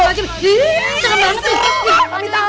iiih seram banget tuh